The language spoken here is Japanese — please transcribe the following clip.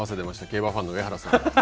競馬ファン上原さん。